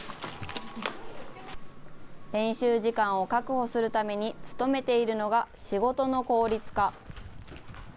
練習時間を確保するために努めているのが仕事の効率化。